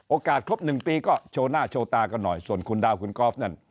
ครบ๑ปีก็โชว์หน้าโชว์ตากันหน่อยส่วนคุณดาวคุณกอล์ฟนั่น